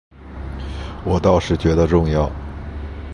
我倒是觉得重要